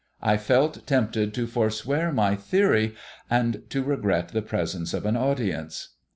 I felt tempted to forswear my theory, and to regret the presence of an audience.